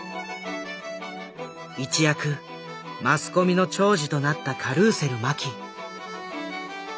一躍マスコミの寵児となったカルーセル麻紀。